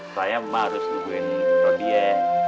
saya mbak harus lukuin rondie